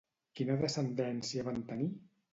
Quina descendència van tenir?